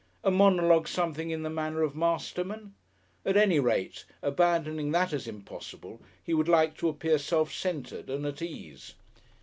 A monologue something in the manner of Masterman? At any rate, abandoning that as impossible, he would like to appear self centred and at ease.